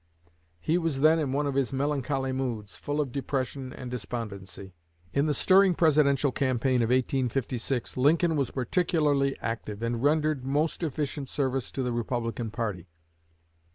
He was then in one of his melancholy moods, full of depression and despondency. In the stirring presidential campaign of 1856, Lincoln was particularly active, and rendered most efficient service to the Republican party.